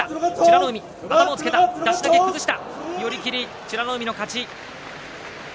美ノ海の勝ち。